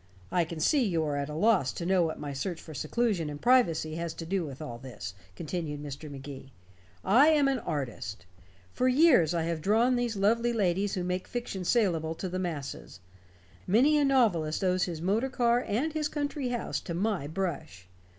"I can see you are at a loss to know what my search for seclusion and privacy has to do with all this," continued Mr. Magee. "I am an artist. For years I have drawn these lovely ladies who make fiction salable to the masses. Many a novelist owes his motor car and his country house to my brush.